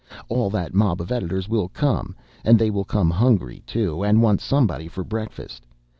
All that mob of editors will come and they will come hungry, too, and want somebody for breakfast.